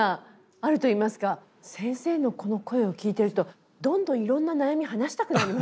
先生のこの声を聞いてるとどんどんいろんな悩み話したくなりますね。